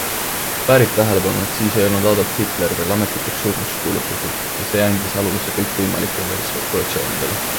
Väärib tähelepanu, et siis ei olnud Adolf Hitler veel ametlikult surnuks kuulutatud ja see andis aluse kõikvõimalikele spekulatsioonidele.